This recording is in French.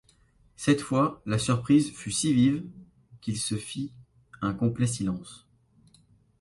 Cette fois, la surprise fut si vive, qu’il se fit un complet silence.